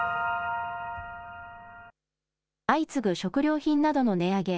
相次ぐ食料品などの値上げ。